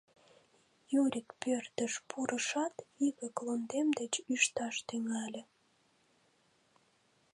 Юрик пӧртыш пурышат, вигак лондем деч ӱшташ тӱҥале.